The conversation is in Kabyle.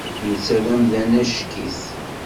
Netta d amdan acek-it.